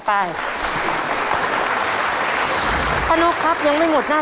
กินก่อนหน่อยไว้ไว้ไว้